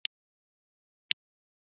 پاچا د خلکو ترمنځ عدالت نه کوي .